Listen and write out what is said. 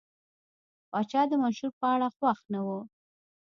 پاچا د منشور په اړه خوښ نه و.